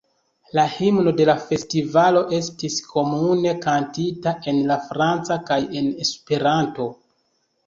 La himno de la festivalo estis komune kantita en la franca kaj en Esperanto.